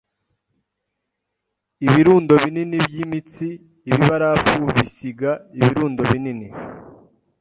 ibirundo binini byimitsi Ibibarafu bisiga ibirundo binini